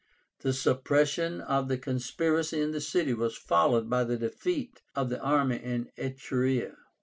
The suppression of the conspiracy in the city was followed by the defeat of the army in Etruria.